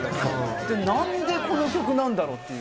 でも何でこの曲なんだろうっていう。